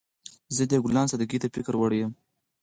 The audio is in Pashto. زه د دې ګلانو سادګۍ ته فکر وړی یم